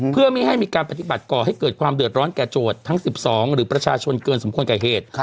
เพื่อไม่ให้มีการปฏิบัติก่อให้เกิดความเดือดร้อนแก่โจทย์ทั้ง๑๒หรือประชาชนเกินสมควรแก่เหตุ